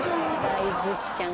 大豆ちゃん。